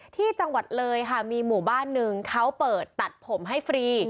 ที่จังหวัดเลยค่ะมีหมู่บ้านหนึ่งเขาเปิดตัดผมให้ฟรี